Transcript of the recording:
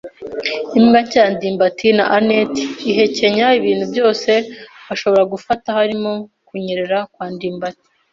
Imbwa nshya ya ndimbati na anet ihekenya ibintu byose ashobora gufata, harimo kunyerera kwa ndimbati.